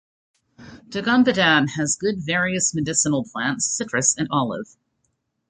Dogonbadan has good various medicinal plants, citrus and olive.